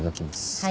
はい。